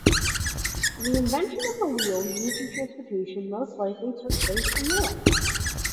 The invention of the wheel used in transportation most likely took place in Europe.